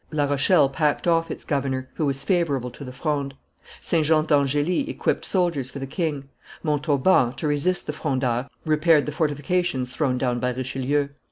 La Rochelle packed off its governor, who was favorable to the Fronde; St. Jean d'Angely equipped soldiers for the king; Montauban, to resist the Frondeurs, repaired the fortifications thrown down by Richelieu.